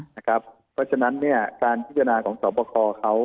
เพราะฉะนั้นการพิจารณาของสอบประคอเขา